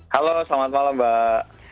halo selamat malam mbak